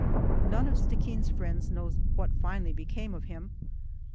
None of Stickeen's friends knows what finally became of him.